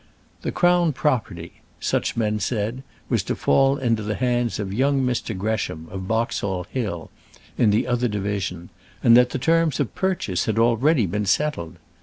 The crown property such men said was to fall into the hands of young Mr. Gresham, of Boxall Hill, in the other division, and that the terms of purchase had been already settled.